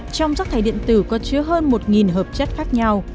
trong rác thải điện tử có chứa hơn một hợp chất khác nhau